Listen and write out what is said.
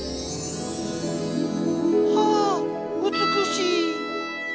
はあ美しい。